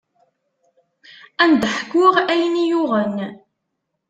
Ad m-d-ḥkuɣ ayen i yi-yuɣen.